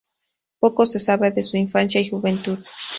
Poco se sabe de su infancia y juventud.